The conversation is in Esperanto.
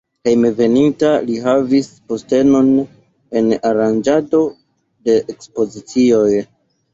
Hejmenveninta li havis postenon en aranĝado de ekspozicioj.